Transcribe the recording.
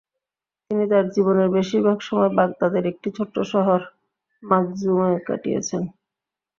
তিনি তাঁর জীবনের বেশিরভাগ সময় বাগদাদের একটি ছোট্ট শহর মাখজুমে কাটিয়েছেন।